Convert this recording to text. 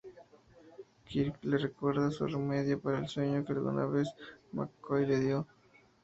Kirk le recuerda su remedio para el sueño que alguna vez McCoy le dio.